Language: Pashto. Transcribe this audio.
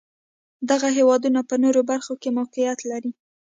دغه هېوادونه په نورو برخو کې موقعیت لري.